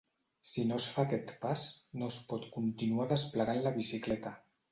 Si no es fa aquest pas, no es pot continuar desplegant la bicicleta.